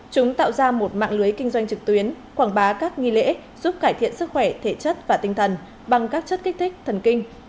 chúng tạo ra một mạng lưới kinh doanh trực tuyến quảng bá các nghi lễ giúp cải thiện sức khỏe thể chất và tinh thần bằng các chất kích thích thần kinh